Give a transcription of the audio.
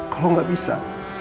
kalau gak bisa